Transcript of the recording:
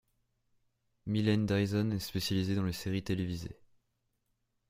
Mylene Dizon est spécialisée dans les séries télévisées.